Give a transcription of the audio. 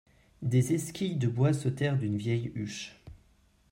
Des esquilles de bois sautèrent d'une vieille huche.